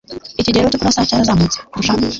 ikigero cyo kurasa cyarazamutse kurushaho